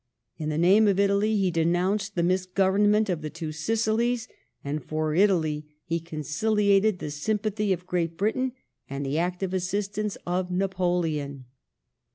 In the name of Italy he denounced the misgovern ment of the two Sicilies, and for Italy he conciliated the sympathy of Great Britain and the active assistance of Napoleon.